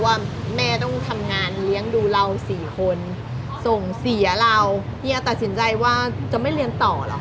ว่าแม่ต้องทำงานเลี้ยงดูเราสี่คนส่งเสียเราเฮียตัดสินใจว่าจะไม่เรียนต่อเหรอ